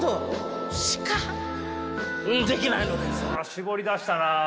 絞り出したな。